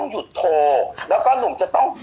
เข้าใจไหมครับหนุ่มจะต้องหยุดโทร